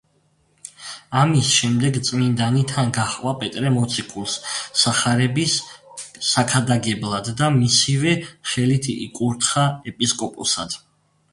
ამის შემდეგ წმინდანი თან გაჰყვა პეტრე მოციქულს სახარების საქადაგებლად და მისივე ხელით იკურთხა ეპისკოპოსად.